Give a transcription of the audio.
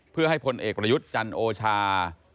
เพื่อให้พลเอกประยุทธ์จันโอชา